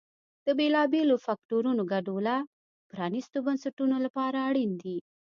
د بېلابېلو فکټورونو ګډوله پرانیستو بنسټونو لپاره اړین دي.